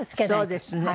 そうですね。